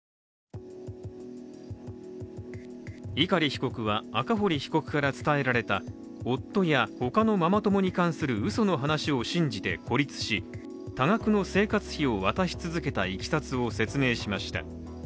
碇被告は赤堀被告から伝えられた夫や、他のママ友に関するうその話を信じて孤立し多額の生活費を渡し続けたいきさつを説明しました。